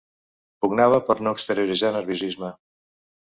Pugnava per no exterioritzar nerviosisme.